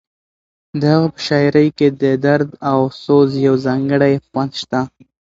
د هغه په شاعرۍ کې د درد او سوز یو ځانګړی خوند شته.